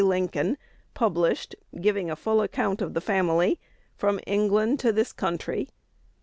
Lincoln,' published, giving a full account of the family, from England to this country.